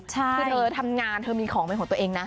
คือเธอทำงานเธอมีของเป็นของตัวเองนะ